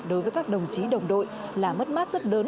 đối với các đồng chí đồng đội là mất mát rất lớn